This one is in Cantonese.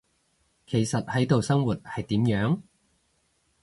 其實喺度生活，係點樣？